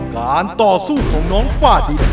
การต่อสู้ของน้องฝ้าดิน